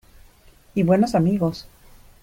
¡ y buenos amigos!...